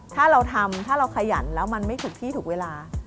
ถ้าเราทำถ้าเราขยันแล้วมันไม่ถูกที่ถูกเวลา